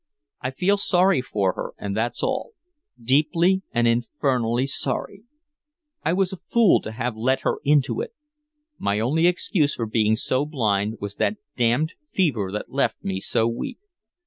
I feel sorry for her and that's all deeply and infernally sorry. I was a fool to have let her into it. My only excuse for being so blind was that damned fever that left me so weak.